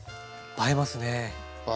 映えますね。